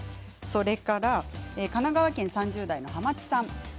それから神奈川県３０代の方です。